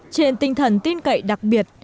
trên tinh thần tin cậy đặc biệt